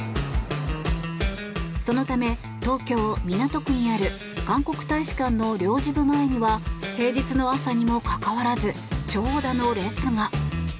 そのため東京・港区にある韓国大使館の領事部前には平日の朝にもかかわらず長蛇の列が。